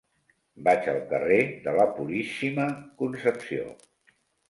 Vaig al carrer de la Puríssima Concepció.